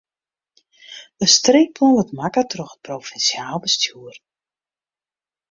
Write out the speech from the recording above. In streekplan wurdt makke troch it provinsjaal bestjoer.